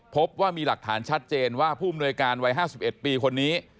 พบว่ามีหลักฐานชัดเจนว่าผู้อำนวยการวัย๕๑ปีคนนี้